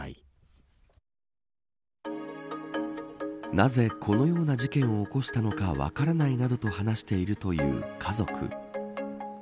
なぜこのような事件を起こしたのか分からないなどと話しているという家族。